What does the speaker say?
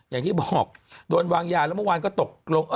อย่างที่บอกโดนวางยาแล้วเมื่อวานก็ตกลง